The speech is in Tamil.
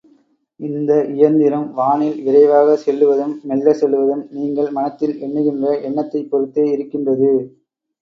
இந்த இயந்திரம் வானில் விரைவாகச் செல்லுவதும் மெல்லச் செல்லுவதும் நீங்கள் மனத்தில் எண்ணுகின்ற எண்ணத்தைப் பொறுத்தே இருக்கின்றது.